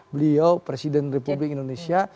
beliau presiden republik indonesia